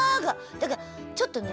だからちょっとね